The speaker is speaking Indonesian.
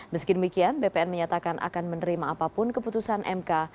meski demikian bpn menyatakan akan menerima apapun keputusan mk